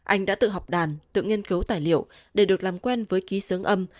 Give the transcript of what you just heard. anh đã tự học đàn tự nghiên cứu tài liệu để được làm quen với ký sướng âm